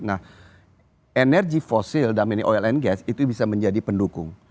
nah energi fosil dan ini oil and gas itu bisa menjadi pendukung